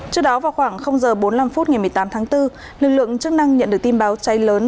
trước đó vào khoảng h bốn mươi năm phút ngày một mươi tám tháng bốn lực lượng chức năng nhận được tin báo cháy lớn